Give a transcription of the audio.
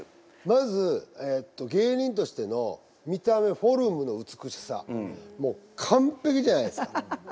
まず芸人としての見た目フォルムの美しさもう完璧じゃないですか。